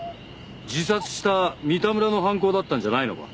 自殺した三田村の犯行だったんじゃないのか？